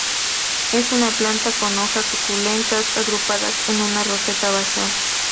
Es una planta con hojas suculentas agrupadas en una roseta basal.